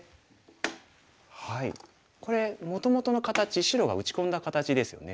これもともとの形白が打ち込んだ形ですよね